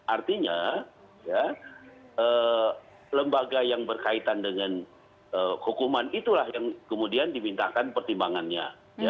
artinya lembaga yang berkaitan dengan hukuman itulah yang kemudian dimintakan pertimbangannya